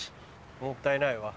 もったいないわ。